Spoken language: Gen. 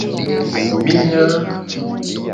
Mi nya.